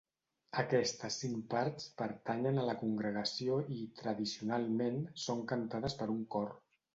Aquestes cinc parts pertanyen a la congregació i, tradicionalment, són cantades per un cor.